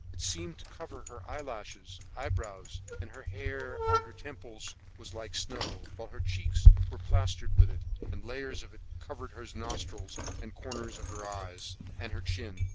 It seemed to cover her eyelashes, eyebrows, and the hair on her temples like snow, while her cheeks were plastered with it, and layers of it covered her nostrils, the corners of her eyes, and her chin.